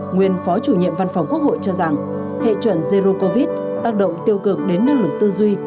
nguyên phó chủ nhiệm văn phòng quốc hội cho rằng hệ chuẩn erdo covid tác động tiêu cực đến năng lực tư duy